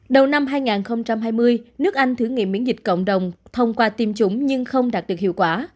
đầu năm hai nghìn hai mươi nước anh thử nghiệm miễn dịch cộng đồng thông qua tiêm chủng nhưng không đạt được hiệu quả